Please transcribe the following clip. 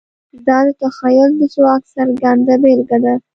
دا د تخیل د ځواک څرګنده بېلګه ده.